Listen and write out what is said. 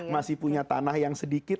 masih punya tanah yang sedikit